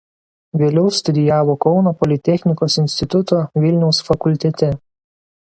Vėliau studijavo Kauno politechnikos instituto Vilniaus fakultete.